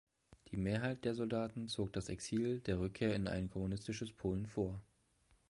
Die Mehrheit der Soldaten zog das Exil der Rückkehr in ein kommunistisches Polen vor.